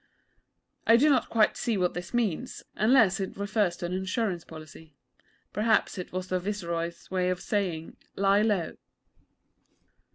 I do not quite see what this means, unless it refers to an Insurance Policy. Perhaps it was the Viceroy's way of saying. 'Lie low.'